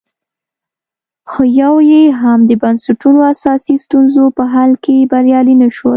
خو یو یې هم د بنسټونو اساسي ستونزو په حل کې بریالي نه شول